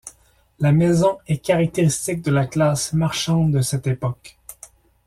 La maison est caractéristique de la classe marchande de cette époque.